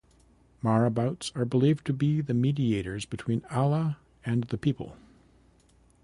Marabouts are believed to be the mediators between Allah and the people.